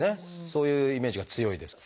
そういうイメージが強いです。